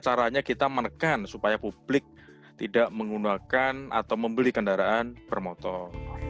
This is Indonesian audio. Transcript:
caranya kita menekan supaya publik tidak menggunakan atau membeli kendaraan bermotor